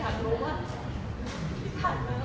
เขาถูกจบไป